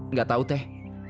nggak tahu teh